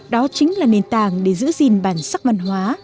đó chính là nền tảng để giữ gìn bản sắc văn hóa